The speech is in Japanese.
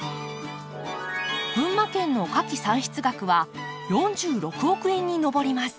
群馬県の花き産出額は４６億円に上ります。